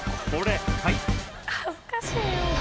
恥ずかしいよ！